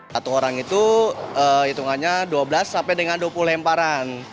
satu orang itu hitungannya dua belas sampai dengan dua puluh lemparan